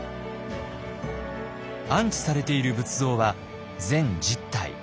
安置されている仏像は全１０体。